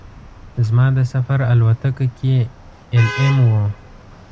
زما د سفر الوتکه کې ایل ایم وه.